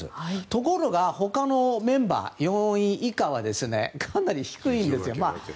ところがほかのメンバー４位以下はかなり低いんですよ。